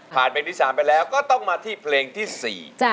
เพลงที่๓ไปแล้วก็ต้องมาที่เพลงที่๔